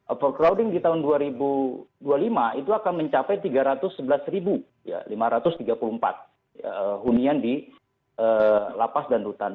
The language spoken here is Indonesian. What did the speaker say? overcrowding di tahun dua ribu dua puluh lima itu akan mencapai tiga ratus sebelas lima ratus tiga puluh empat hunian di lapas dan rutan